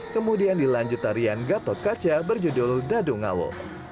kemudian dilanjut tarian gatot kaca berjudul dadung ngawo